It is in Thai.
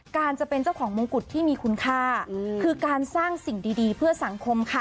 การจะเป็นเจ้าของมงกุฎที่มีคุณค่าคือการสร้างสิ่งดีเพื่อสังคมค่ะ